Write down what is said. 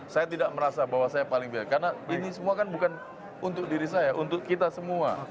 saya tidak merasa bahwa saya paling baik karena ini semua kan bukan untuk diri saya untuk kita semua